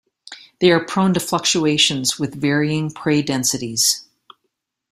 They are prone to fluctuations with varying prey densities.